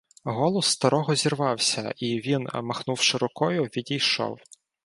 — Голос старого зірвався, і він, махнувши рукою, відійшов.